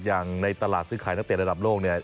อย่างในตลาดซื้อไขนักตรี่ระดับโลก